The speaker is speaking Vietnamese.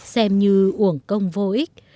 xem như uổng công vô ích